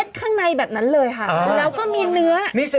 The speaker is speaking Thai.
โอเคโอเคโอเค